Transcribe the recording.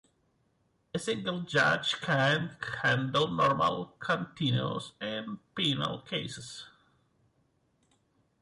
A single judge can handle normal contentious and penal cases.